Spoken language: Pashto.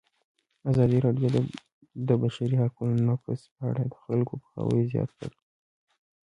ازادي راډیو د د بشري حقونو نقض په اړه د خلکو پوهاوی زیات کړی.